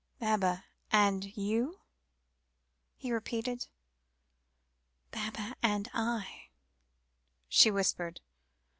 "Baba and you?" he repeated. "Baba and I," she whispered.